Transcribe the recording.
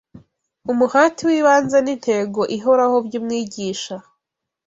Umuhati w’ibanze n’intego ihoraho by’umwigisha